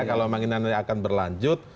kalau manginannya akan berlanjut